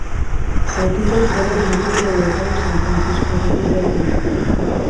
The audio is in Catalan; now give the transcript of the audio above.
El títol prové d'un llibre de l'autor de San Francisco Dodie Bellamy.